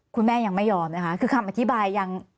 คุณแม่ยังไม่ยอมนะคะคือคำอธิบายยัง